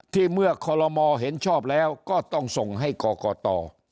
ที่เมื่อคลมเห็นชอบแล้วก็ต้องส่งให้กกต่อ